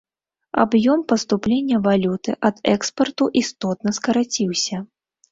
Аб'ём паступлення валюты ад экспарту істотна скараціўся.